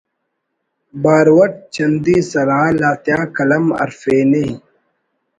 بارو اٹ چندی سرحال آتیا قلم ہرفینے